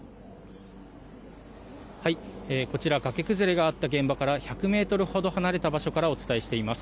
こちら崖崩れがあった現場から１００ｍほど離れた場所からお伝えしています。